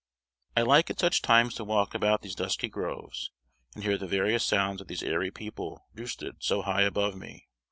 I like at such times to walk about these dusky groves, and hear the various sounds of these airy people roosted so high above me.